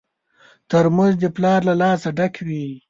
ترموز د پلار له لاسه ډک وي.